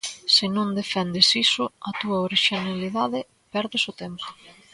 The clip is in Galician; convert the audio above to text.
Se non defendes iso, a túa orixinalidade, perdes o tempo.